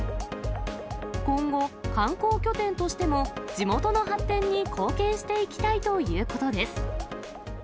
今後、観光拠点としても、地元の発展に貢献していきたいということです。